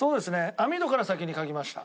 網戸から先に描きました。